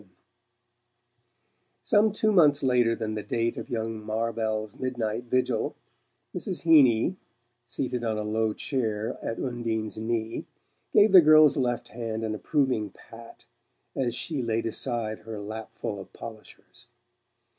VII Some two months later than the date of young Marvell's midnight vigil, Mrs. Heeny, seated on a low chair at Undine's knee, gave the girl's left hand an approving pat as she laid aside her lapful of polishers.